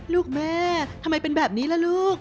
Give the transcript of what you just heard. ลูกแม่ทำไมเป็นแบบนี้ล่ะลูก